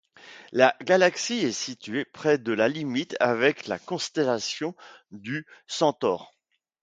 La galaxie est située près de la limite avec la constellation du Centaure.